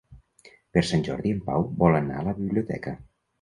Per Sant Jordi en Pau vol anar a la biblioteca.